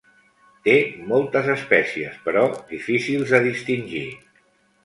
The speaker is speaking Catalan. Té moltes espècies però difícils de distingir.